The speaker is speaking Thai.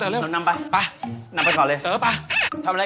เต๋อนี่มึงรีบแล้วใช่มั้ย